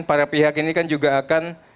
para pihak ini kan juga akan